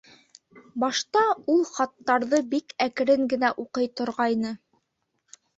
Башта ул хаттарҙы бик әкрен генә уҡый торғайны.